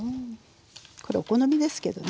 これお好みですけどね。